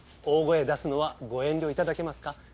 大声を出すのはご遠慮いただけますか？